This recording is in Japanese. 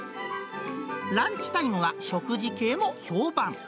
ランチタイムは食事系も評判。